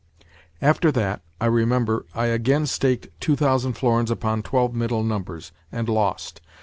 After that, I remember, I again staked two thousand florins upon twelve middle numbers, and lost.